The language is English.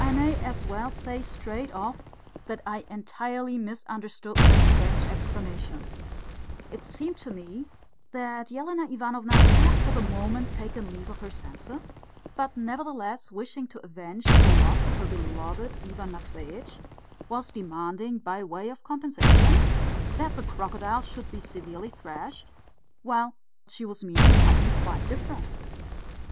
I may as well say straight off that I entirely misunderstood this strange exclamation: it seemed to me that Elena Ivanovna had for the moment taken leave of her senses, but nevertheless wishing to avenge the loss of her beloved Ivan Matveitch, was demanding by way of compensation that the crocodile should be severely thrashed, while she was meaning something quite different.